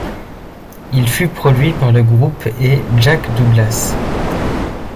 Il fut produit par le groupe et Jack Douglas.